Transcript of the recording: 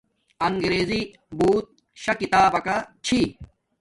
انگیزی بوت شا کتابکا چھی